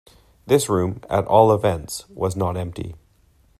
This room, at all events, was not empty.